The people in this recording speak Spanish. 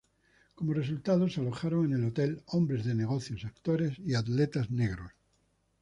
Como resultado, se alojaron en el hotel hombres de negocios, actores y atletas negros.